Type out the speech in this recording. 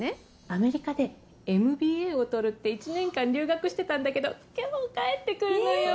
アメリカでＭＢＡを取るって１年間留学してたんだけど今日帰ってくるのよ。